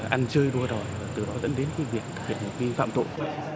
ăn chơi đua đòi từ đó dẫn đến việc thực hiện vi phạm tội